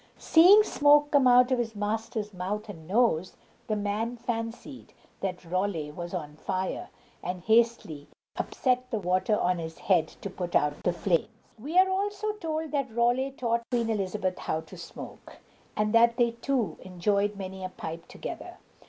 Seeing smoke come out of his master's mouth and nose, the man fancied that Raleigh was on fire, and hastily upset the water on his head to put out the flames! We are also told that Raleigh taught Queen Elizabeth how to smoke, and that they two enjoyed many a pipe together.